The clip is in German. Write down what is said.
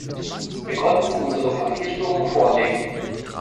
Wir konnten unsere Verpflichtungen vorlegen.